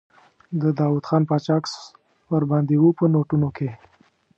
د داووخان باچا عکس ور باندې و په نوټونو کې.